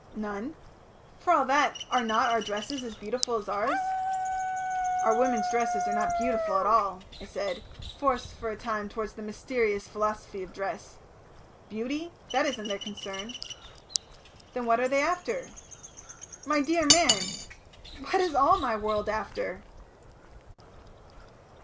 "None. For all that, are not our dresses as beautiful as yours?" "Our women's dresses are not beautiful at all," I said, forced for a time towards the mysterious philosophy of dress. "Beauty? That isn't their concern." "Then what are they after?" "My dear man! What is all my world after?"